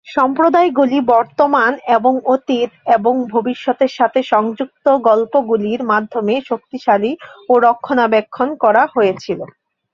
সম্প্রদায়গুলি বর্তমান এবং অতীত এবং ভবিষ্যতের সাথে সংযুক্ত গল্পগুলির মাধ্যমে শক্তিশালী ও রক্ষণাবেক্ষণ করা হয়েছিল।